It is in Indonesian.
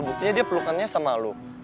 buktinya dia pelukannya sama luk